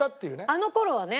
あの頃はね。